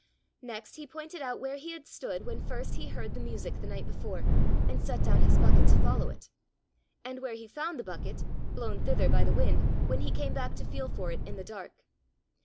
Next he pointed out where he stood when first he heard the music the night before, and set down his bucket to follow it; and where he found the bucket, blown thither by the wind, when he came back to feel for it in the dark.